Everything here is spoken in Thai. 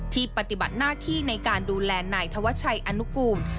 ปฏิบัติหน้าที่ในการดูแลนายธวัชชัยอนุกูล